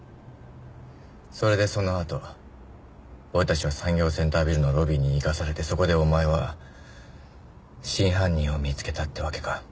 それでそのあと俺たちは産業センタービルのロビーに行かされてそこでお前は真犯人を見つけたってわけか。